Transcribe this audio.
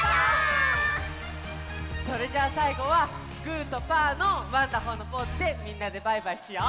それじゃあさいごはグーとパーのワンダホーのポーズでみんなでバイバイしよう！